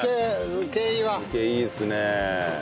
漬けいいですね。